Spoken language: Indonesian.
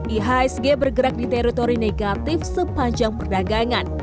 ihsg bergerak di teritori negatif sepanjang perdagangan